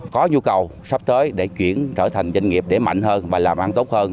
có nhu cầu sắp tới để chuyển trở thành doanh nghiệp để mạnh hơn và làm ăn tốt hơn